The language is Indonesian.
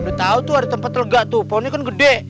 udah tahu tuh ada tempat lega tuh pohonnya kan gede